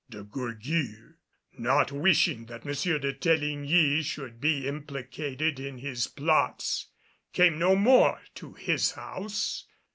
De Gourgues, not wishing that M. de Teligny should be implicated in his plots, came no more to his house.